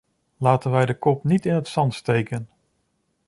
Laten wij de kop niet in het zand steken.